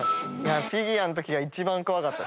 フィギュアのとき一番怖かった。